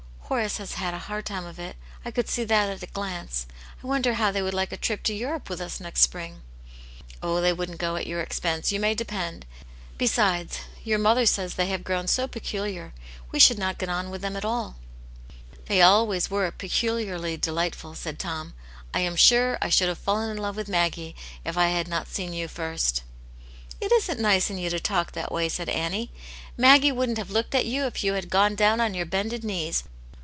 Horace has had a hard time of it; I could see that at a glance. I wonder how they would like a trip to Europe with us next Spring ?"" Oh, they wouldn't go at your expense, you may depend. Besides, your mother says they have grown so peculiar. We should not g^t QXvm>Jct "Ccirxsw ^ '^J^ %> I/O' Aunt Jane's Hero. "They always were peculiarly delightful/' said Tom. " I am sure I should have fallen in love with Maggie if I had not seen you first/' '* It isn't nice in you to talk that way," said Annie. " Maggie wouldn't have looked at you if you had gone down on your bended knees.